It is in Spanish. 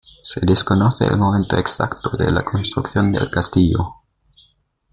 Se desconoce el momento exacto de la construcción del castillo.